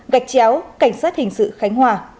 gạch chéo cảnh sát hình sự khánh hòa